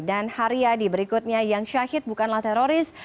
dan hari yadi berikutnya yang syahid bukanlah teroris